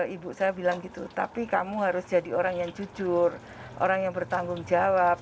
ibu saya bilang gitu tapi kamu harus jadi orang yang jujur orang yang bertanggung jawab